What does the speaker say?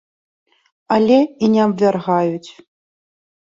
Але і не абвяргаюць.